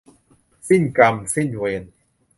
สิ้นกรรมสิ้นเวร